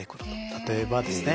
例えばですね